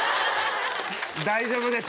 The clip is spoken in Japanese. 大丈夫です。